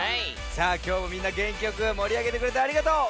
さあきょうもみんなげんきよくもりあげてくれてありがとう。